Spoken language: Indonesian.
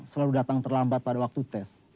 selalu datang terlambat pada waktu tes